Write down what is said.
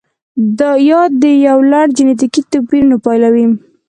یا د یو لړ جنتیکي توپیرونو پایله وي.